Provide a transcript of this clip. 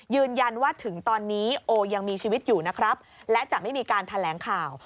ยืนยันว่าถึงตอนนี้โอยังมีชีวิตอยู่นะครับและจะไม่มีการแถลงข่าว